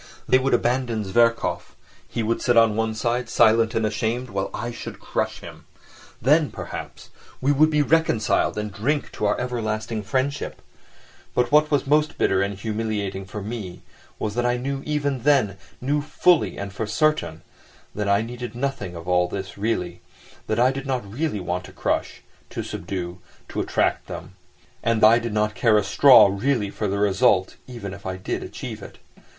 They would abandon Zverkov, he would sit on one side, silent and ashamed, while I should crush him. Then, perhaps, we would be reconciled and drink to our everlasting friendship; but what was most bitter and humiliating for me was that I knew even then, knew fully and for certain, that I needed nothing of all this really, that I did not really want to crush, to subdue, to attract them, and that I did not care a straw really for the result, even if I did achieve it.